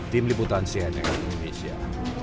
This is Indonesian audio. tim liputan cnx indonesia